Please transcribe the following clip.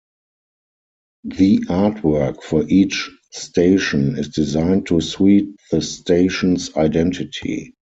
The artwork for each station is designed to suit the station's identity.